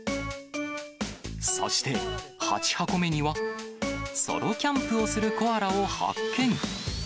そして、８箱目にはソロキャンプをするコアラを発見。